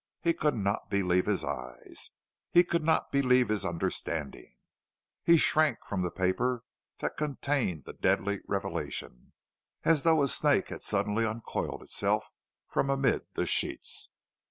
He could not believe his eyes, he could not believe his understanding. He shrank from the paper that contained the deadly revelation, as though a snake had suddenly uncoiled itself from amid the sheets.